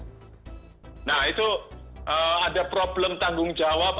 nah itu ada problem tanggung jawab